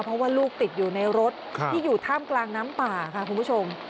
เพราะว่าลูกติดอยู่ในรถที่อยู่ท่ามกลางน้ำป่าค่ะคุณผู้ชม